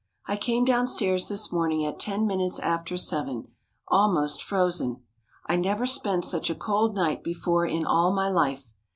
I came downstairs this morning at ten minutes after seven, almost frozen. I never spent such a cold night before in all my life.